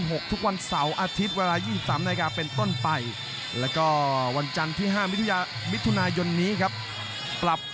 ห้ามพลาดครับ